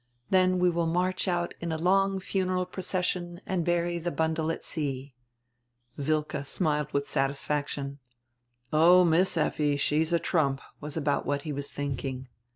Then we will march out in a long funeral procession and bury the bundle at sea." Wilke smiled widi satisfaction. "Oh, Miss Effi, she's a trump," was about what he was thinking.